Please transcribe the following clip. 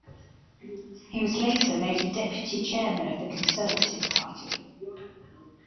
He was later made a Deputy Chairman of the Conservative Party.